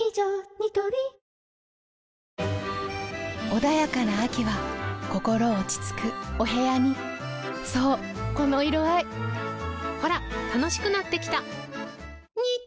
ニトリ穏やかな秋は心落ち着くお部屋にそうこの色合いほら楽しくなってきた！